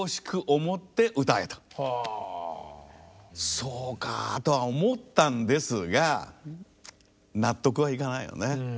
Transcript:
そうかとは思ったんですが納得はいかないのね。